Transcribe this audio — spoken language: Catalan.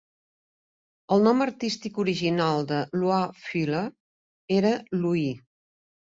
El nom artístic original de Loie Fuller era "Louie".